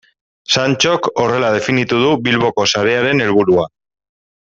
Santxok horrela definitu du Bilboko sarearen helburua.